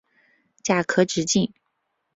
甲壳直径。